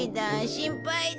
心配だ。